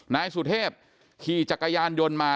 นายสุเทพขี่จักรยานยนต์มา